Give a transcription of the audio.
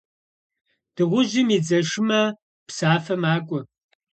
Дыгъужьым и дзэ шымэ псафэ макӏуэ.